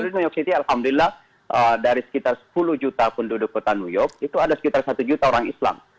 new york city alhamdulillah dari sekitar sepuluh juta penduduk kota new york itu ada sekitar satu juta orang islam